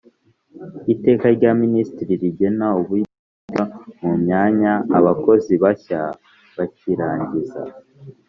Iteka rya Minisitiri rigena uburyo bwo gushyira mu myanya abakozi bashya bakirangiza